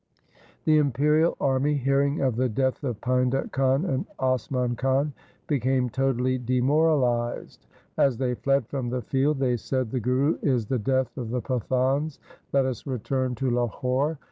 The imperial army, hearing of the death of Painda Khan and Asman Khan, became totally demoralized. As they fled from the field they said, ' The Guru is the death of the Pathans. Let us return to Lahore.'